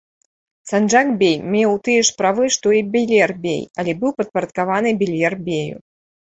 Санджак-бей меў тыя ж правы, што і бейлер-бей, але быў падпарадкаваны бейлер-бею.